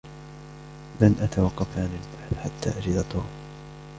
لن أتوقّف عن البحث حتّى أجد توم.